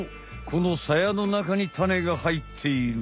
このサヤのなかにタネが入っている。